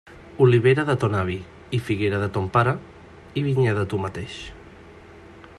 Olivera de ton avi, i figuera de ton pare, i vinya de tu mateix.